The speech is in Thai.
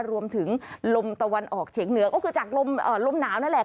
รวมถึงลมตะวันออกเฉียงเหนือก็คือจากลมหนาวนั่นแหละ